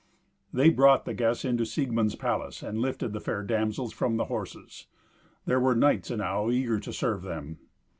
They brought the guests into Siegmund's palace, and lifted the fair damsels from the horses. There were knights enow eager to serve them.